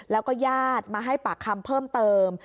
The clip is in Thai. แล้วก็ญาติมาให้ปากคำเพิ่มเติม